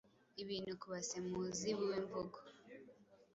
ibintu Kubasemuzi bubuimvugo